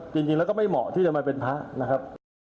จริงแล้วก็ไม่เหมาะที่จะมาเป็นพระนะครับ